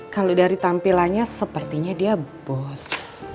kalau dari tampilannya sepertinya dia bos